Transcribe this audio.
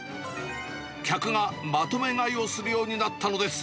客がまとめ買いをするようになったのです。